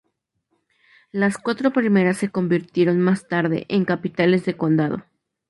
Las cuatro primeras se convirtieron más tarde en capitales de condado.